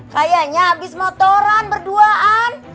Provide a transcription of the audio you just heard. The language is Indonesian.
kayaknya habis motoran berduaan